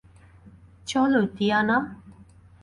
চলো, টিয়ানা।